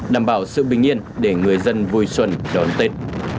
đảm bảo sự bình yên để người dân vui xuân đón tết